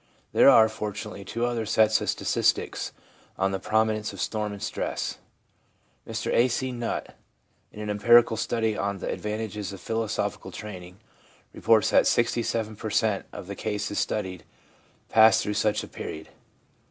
There are, fortunately, two other sets of statistics on the prominence of storm and stress. Mr A. C. Nutt, in an empirical study on ' The Advantages of Philo sophical Training/ reports that 67 per cent, of the cases studied passed through such a period.